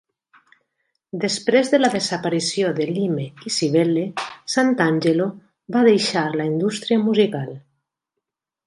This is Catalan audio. Després de la desaparició de Lyme i Cybelle, Santangelo va deixar la indústria musical.